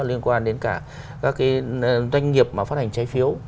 liên quan đến cả các cái doanh nghiệp mà phát hành trái phiếu